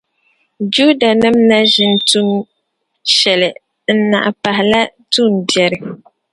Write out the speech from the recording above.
Judanim’ na ʒi n-tum shɛli n-naɣi pahila tuumbiɛri.